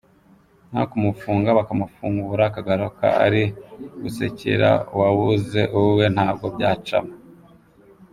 Naho kumufunga, bakamufungura, akagaruka ari gusekera uwabuze uwe, ntabwo byacamo.